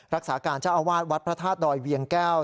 รักษาการเจ้าอาวาสวัดพระธาตุดอยเวียงแก้ว